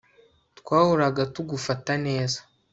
Twahoraga tugufata neza